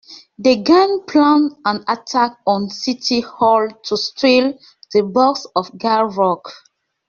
The gang plan an attack on City Hall to steal the Box of Gavrok.